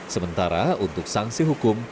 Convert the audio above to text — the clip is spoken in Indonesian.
sementara untuk sanksi hukum